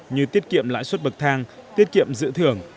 như tiết kiệm lãi suất bậc thang tiết kiệm dự thường